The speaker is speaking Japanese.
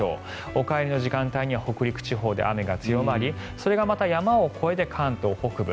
お帰りの時間帯には北陸地方で雨が強まりそれがまた山を越えて関東北部。